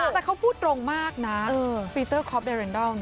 แต่เขาพูดตรงมากนะปีเตอร์คอปเดเรนดอล